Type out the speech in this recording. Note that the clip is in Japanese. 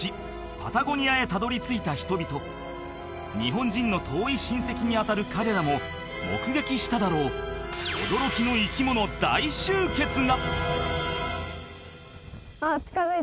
パタゴニアへたどり着いた人々日本人の遠い親戚にあたる彼らも目撃しただろう驚きの生き物大集結が！